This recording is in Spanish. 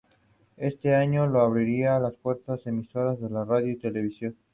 Es un endemismo de Brasil, donde se encuentra en el Cerrado en Minas Gerais.